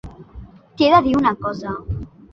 T'he de dir una cosa.